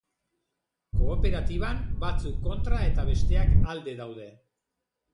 Kooperatiban batzuk kontra eta besteak alde daude.